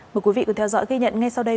mời quý vị cùng theo dõi ghi nhận ngay sau đây